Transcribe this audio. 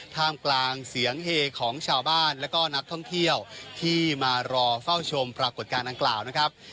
ท่ามกลางเสียงเฮของชาวบ้านและก็นักท่องเที่ยวที่มารอเฝ้าชมปรากฏการณ์ดังกล่าวนะครับ